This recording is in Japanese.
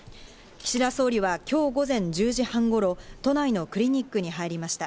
岸田総理はきょう午前１０時半頃、都内のクリニックに入りました。